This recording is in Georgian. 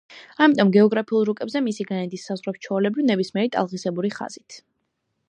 ამიტომ გეოგრაფიულ რუკებზე მისი განედის საზღვრებს ჩვეულებრივ ნებისმიერი ტალღისებური ხაზით.